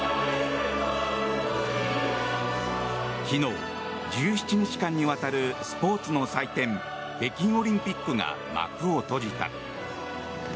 昨日、１７日間にわたるスポーツの祭典北京オリンピックが幕を閉じた。